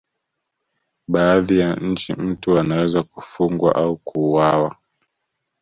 baadhi ya nchi mtu anaweza kufungwa au kuuawa